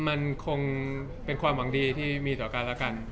มันคงเป็นความหวังดีที่มีต่อกันและกัน